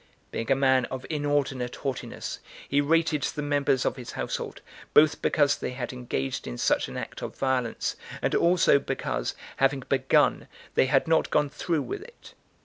Being a man of inordinate haughtiness, he rated the members of his household, both because they had engaged in such an act of violence, and also because, having begun, they had not gone through with it.